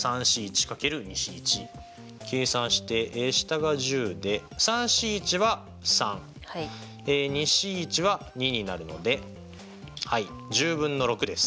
計算して下が１０でＣは３Ｃは２になるのではい１０分の６です。